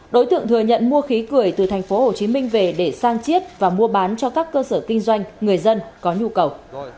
đối tượng thừa nhận mua khí cười từ tp hcm về để sang chiết và mua bán cho các cơ sở kinh doanh người dân có nhu cầu